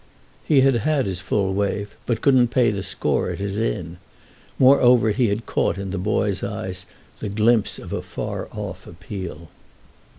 He had had his full wave but couldn't pay the score at his inn. Moreover he had caught in the boy's eyes the glimpse of a far off appeal.